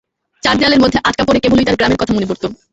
চার দেয়ালের মধ্যে আটকা পড়ে কেবলই তার গ্রামের কথা মনে পড়ত।